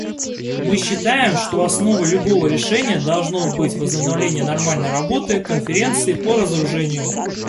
Мы считаем, что основой любого решения должно быть возобновление нормальной работы Конференции по разоружению.